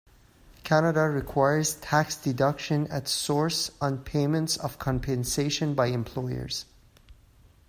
Canada requires tax deduction at source on payments of compensation by employers.